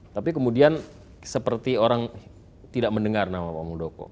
tapi kemudian seperti orang tidak mendengar nama pak muldoko